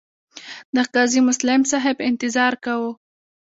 د قاضي مسلم صاحب انتظار کاوه.